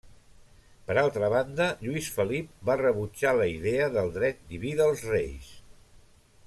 Per altra banda, Lluís Felip va rebutjar la idea del dret diví dels reis.